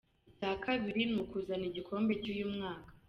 Icya kabiri ni ukuzana igikombe cy’uyu mwaka.